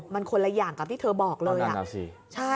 มันคนละอย่างกับที่เธอบอกเลยอ่ะเอานั่นอ่ะสิใช่